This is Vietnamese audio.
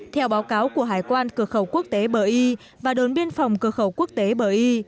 theo báo cáo của hải quan cửa khẩu quốc tế bờ y và đồn biên phòng cửa khẩu quốc tế bờ y